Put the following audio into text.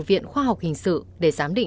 viện khoa học hình sự để giám định